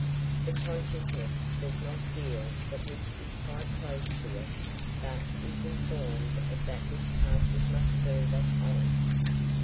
The consciousness does not feel that which is quite close to it, but is informed of that which passes much further off.